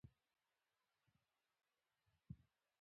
هغه وویل چې د اندېښنو یاداښت ګټور دی.